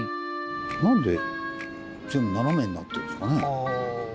何で全部ナナメになってんですかね？